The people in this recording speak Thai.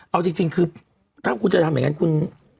เอาจริงคือถ้าคุณจะทำอย่างนั้นคุณ